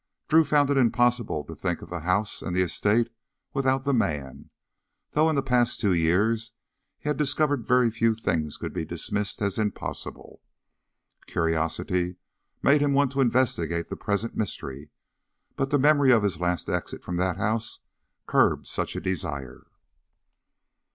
Drew found it impossible to think of the house and the estate without the man, though in the past two years he had discovered very few things could be dismissed as impossible. Curiosity made him want to investigate the present mystery. But the memory of his last exit from that house curbed such a desire.